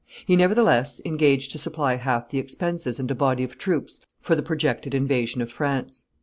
He, nevertheless, engaged to supply half the expenses and a body of troops for the projected invasion of France.